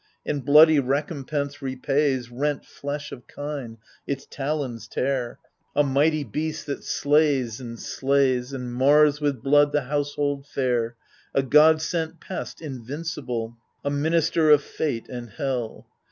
And bloody recompense repays — Rent flesh of kine, its talons tare : A mighty beast, that slays, and slays. And mars with blood the household fair, A God sent pest invincible, A minister of fate and hell.